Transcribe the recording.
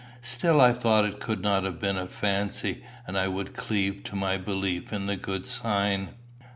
Still I thought it could not have been a fancy, and I would cleave to my belief in the good sign.